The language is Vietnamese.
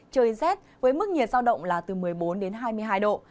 trời rét với mức nhiệt giao động là từ một mươi bốn đến hai mươi hai độ